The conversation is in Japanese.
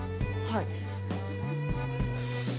はい。